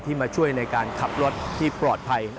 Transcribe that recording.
มาช่วยในการขับรถที่ปลอดภัย